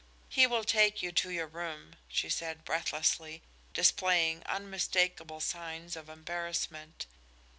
"He will take you to your room," she said breathlessly, displaying unmistakable signs of embarrassment.